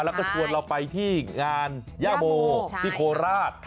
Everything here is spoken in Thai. แล้วก็ชวนเราไปที่งานย่าโมที่โคราช